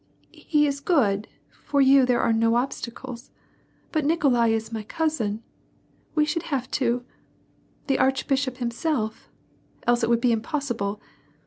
" He is good; for you there are no obstacles. But Nikolai is my cousin — we should have to — the archbishop himself — else it would be impossible.